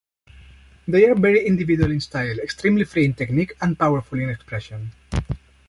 They are very individual in style, extremely free in technique, and powerful in expression.